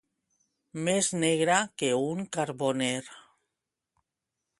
Més negre que un carboner.